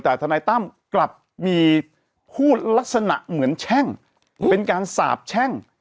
แต่ทนายตั้มกลับมีพูดลักษณะเหมือนแช่งเป็นการสาบแช่ง